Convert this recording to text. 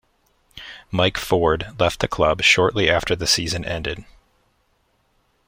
Mike Ford left the club shortly after the season ended.